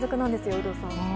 有働さん。